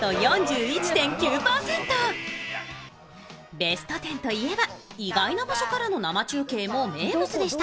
「ベストテン」といえば、意外な場所からの生中継も名物でした。